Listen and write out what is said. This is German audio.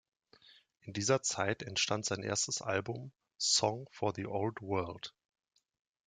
In dieser Zeit entstand sein erstes Album, "Song for the Old World".